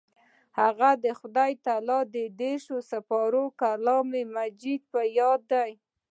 هغې د خدای تعالی دېرش سپارې کلام الله مجيد په ياد دی.